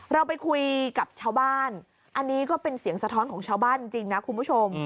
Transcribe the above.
เราไปคุยกับชาวบ้านอันนี้ก็เป็นเสียงสะท้อนของชาวบ้านจริงนะคุณผู้ชม